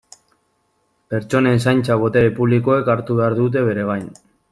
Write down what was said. Pertsonen zaintza botere publikoek hartu behar dute bere gain.